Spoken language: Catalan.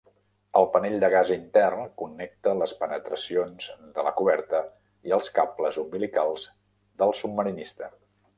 El panell de gas intern connecta les penetracions de la coberta i els cables umbilicals del submarinista.